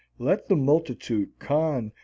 Let the multitude con No.